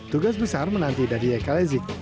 tugas besar menanti dariye kalezik